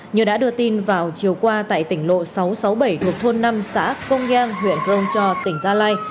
như đã đưa tin vào chiều qua tại tỉnh lộ sáu trăm sáu mươi bảy thuộc thôn năm xã công an huyện khromcho tỉnh gia lai